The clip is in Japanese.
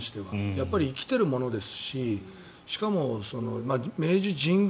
やっぱり生きてるものですししかも、明治神宮